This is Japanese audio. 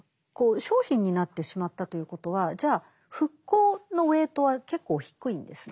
商品になってしまったということはじゃあ復興のウエイトは結構低いんですね。